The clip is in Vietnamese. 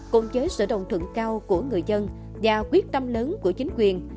côn chế sự đồng thuận cao của người dân và quyết tâm lớn của chính quyền